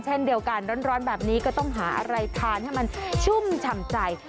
เช่นเดียวกันร้อนแบบนี้ก็ต้องหาอะไรทานให้มันชุ่มฉ่ำใจ